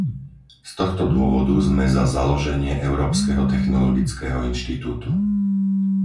Z tohto dôvodu sme za založenie Európskeho technologického inštitútu.